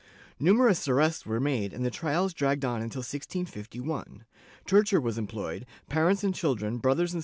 Numerous arrests were made and the trials dragged on until 1651; torture was employed, parents and children, brothers and.